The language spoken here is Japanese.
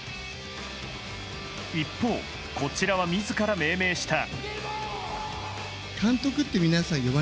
一方、こちらは自ら命名した。